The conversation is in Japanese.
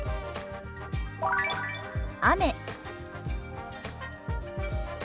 雨。